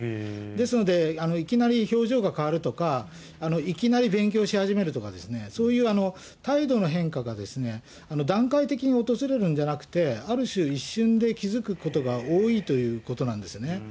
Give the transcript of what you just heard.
ですのでいきなり表情が変わるとか、いきなり勉強し始めるとか、そういう態度の変化が、段階的に訪れるんじゃなくて、ある種、一瞬で気付くことが多いということなんですよね。